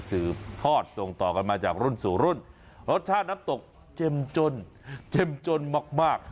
สืบทอดส่งต่อกันมาจากรุ่นสู่รุ่นรสชาติน้ำตกเจ็มจนเจมจนมากมาก